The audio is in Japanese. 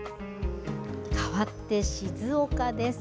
かわって静岡です。